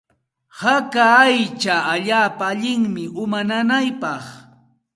Haka aycha allaapa allinmi uma nanaypaq.